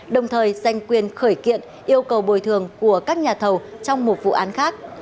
đồng thời dành quyền khởi kiện yêu cầu bồi thường của các nhà thầu trong một vụ án khác